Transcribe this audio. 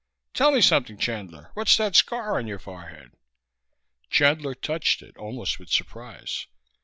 Tell me something, Chandler. What's that scar on your forehead." Chandler touched it, almost with surprise.